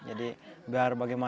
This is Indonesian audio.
jadi basicsnya orang asal